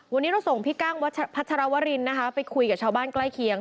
วันนี้เราส่งพี่กั้งพัชรวรินนะคะไปคุยกับชาวบ้านใกล้เคียง